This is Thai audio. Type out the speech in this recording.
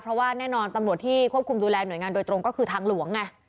เพราะว่าแน่นอนตำรวจที่ควบคุมดูแลหน่วยงานโดยตรงก็คือทางหลวงไง